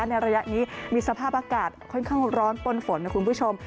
ในระยะนี้มีสภาพอากาศค่อนข้างร้อนปนฝนนะคุณผู้ชม